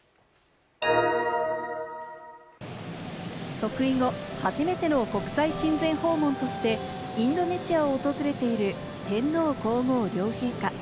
即位後、初めての国際親善訪問として、インドネシアを訪れている、天皇皇后両陛下。